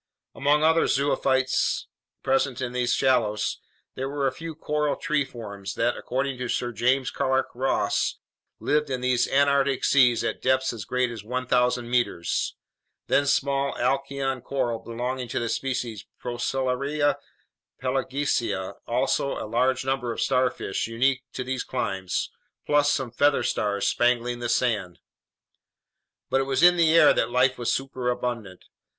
Among other zoophytes present in these shallows, there were a few coral tree forms that, according to Sir James Clark Ross, live in these Antarctic seas at depths as great as 1,000 meters; then small alcyon coral belonging to the species Procellaria pelagica, also a large number of starfish unique to these climes, plus some feather stars spangling the sand. But it was in the air that life was superabundant.